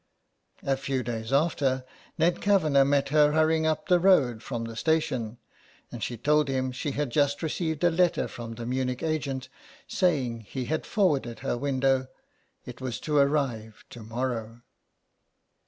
A few days after Ned Kavanagh met her hurrying up the road from the station, and she told him she had just received a letter from the Munich agent saying he had forwarded her window. It was to arrive to morrow.